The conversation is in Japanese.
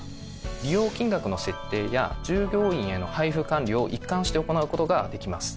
利用金額の設定や従業員への配布管理を一貫して行う事ができます。